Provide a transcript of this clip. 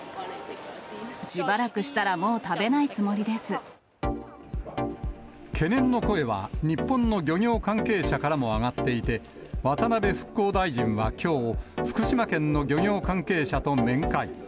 しばらくしたら、もう食べな懸念の声は、日本の漁業関係者からも上がっていて、渡辺復興大臣はきょう、福島県の漁業関係者と面会。